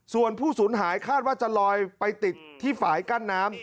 ส่วนผู้สูญหายคาดว่าจะลอยไปติดที่ฝ่ายกั้นน้ำ